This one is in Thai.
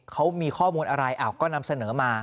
เขามีข้อมูลอะไรก็นำเสนอมา